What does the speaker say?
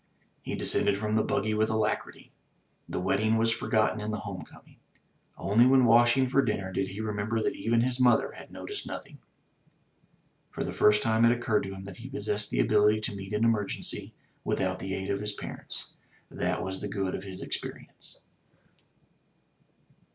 He descended from the buggy with alacrity. The wetting was forgotten in the home coming. Only when washing for dinner did he remember that even his mother had noticed nothing. For the first time it occurred to him that he possessed the ability to meet an emergency without the aid of his parents — ^that was the good of his experience.